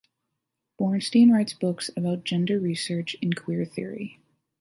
Bornstein writes books about gender research and queer theory.